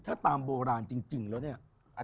ถ้าตามโบราณจริงแล้วเนี่ย